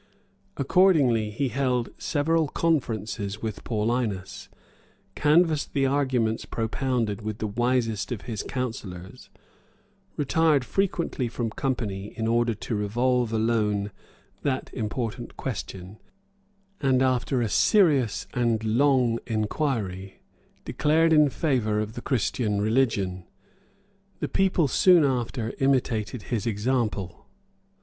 [] Accordingly he held several conferences with Paullinus; canvassed the arguments propounded with the wisest of his counsellors; retired frequently from company, in order to revolve alone that important question; and, after a serious and long inquiry, declared in favor of the Christian religion;[] the people soon after imitated his example.